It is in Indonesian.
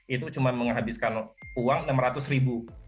itu cuma menghabiskan uang rp enam ratus